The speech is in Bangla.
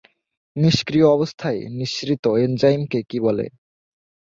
নিষ্ক্রিয় অবস্থায় নিঃসৃত এনজাইমকে কী বলে?